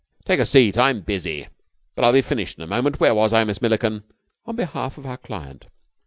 "Take a seat. I'm busy, but I'll be finished in a moment. Where was I, Miss Milliken?" "On behalf of our client...."